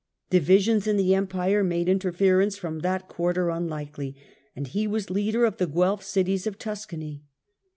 Divisions in the Empire made interference from that quarter unlikely, and he was leader of the Guelf cities of Tuscany.